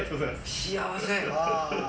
幸せ。